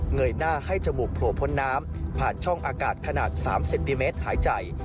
ยหน้าให้จมูกโผล่พ้นน้ำผ่านช่องอากาศขนาด๓เซนติเมตรหายใจ